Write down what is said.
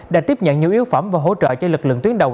đã tiếp nhận nhiều yếu phẩm và hỗ trợ cho lực lượng tuyến đầu